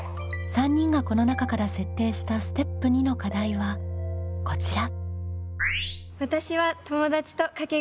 ３人がこの中から設定したステップ２の課題はこちら。